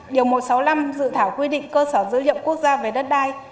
điều một trăm sáu mươi năm dự thảo quy định cơ sở giữ hiệu quốc gia về đất đất